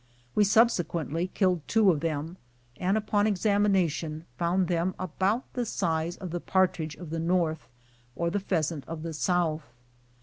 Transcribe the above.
"We subsequently killed two of them, and, upon examination, found them about the size of the partridge of the North, or the pheasant of the South.